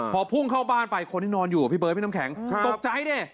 พอพุ่งเข้าบ้านไปคนที่นอนอยู่พี่เบิร์ดพี่น้ำแข็งตกใจดิ